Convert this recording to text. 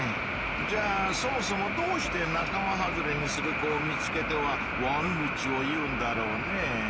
じゃあそもそもどうして仲間外れにする子を見つけては悪口を言うんだろうね？